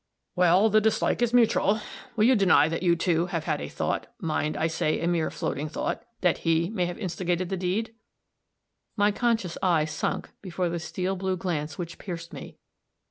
"Well, the dislike is mutual. Will you deny that you, too, have had a thought mind, I say a mere, floating thought that he may have instigated the deed?" My conscious eye sunk before the steel blue glance which pierced me.